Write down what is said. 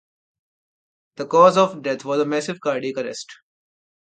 The cause of death was a massive cardiac arrest.